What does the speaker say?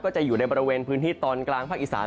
จะอยู่ในบริเวณพื้นที่ตอนกลางภาคอีสาน